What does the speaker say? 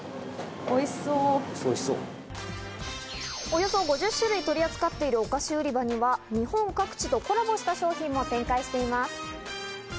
およそ５０種類取り扱っているお菓子売り場には、日本各地とコラボした商品も展開しています。